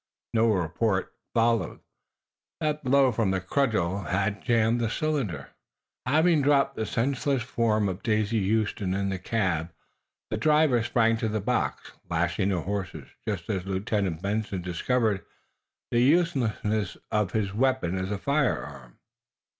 No report followed. That blow from the cudgel had jammed the cylinder. Having dropped the senseless form of Daisy Huston in the cab the driver sprang to the box, lashing the horses, just as Lieutenant Benson discovered the uselessness of his weapon as a firearm.